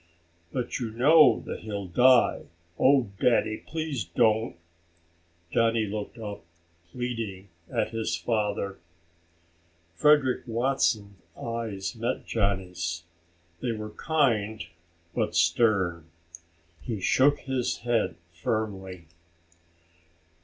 "But you know that he'll die. Oh, Daddy, please don't!" Johnny looked up, pleading, at his father. Frederick Watson's eyes met Johnny's. They were kind but stern. He shook his head firmly.